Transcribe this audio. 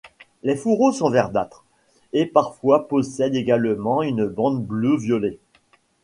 Les fourreaux sont verdâtres et parfois possèdent également une bande bleu-violet.